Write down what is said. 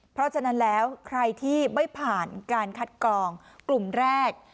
เพราะฉะนั้นแล้วใครที่ไม่ผ่านการคัดกรองกลุ่มแรก